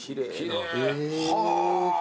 はあ。